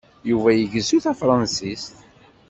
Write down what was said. Yuba igezzu tafṛansist.